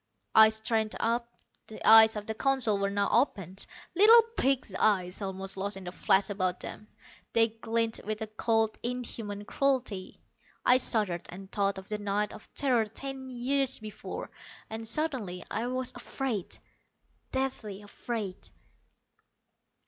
I straightened up. The eyes of the Council were now opened, little pig's eyes almost lost in the flesh about them. They glinted with a cold, inhuman cruelty. I shuddered, and thought of the night of terror ten years before. And suddenly I was afraid, deathly afraid.